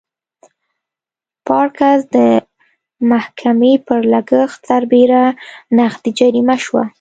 پارکس د محکمې پر لګښت سربېره نغدي جریمه شوه.